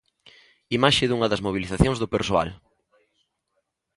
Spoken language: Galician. Imaxe dunha das mobilizacións do persoal.